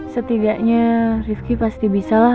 setidaknya rifki pasti bisa lah